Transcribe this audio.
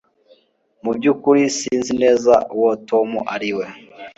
Mubyukuri sinzi neza Tom uwo ari we